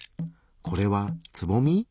これはつぼみ？